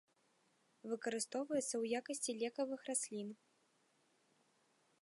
Выкарыстоўваюцца ў якасці лекавых раслін.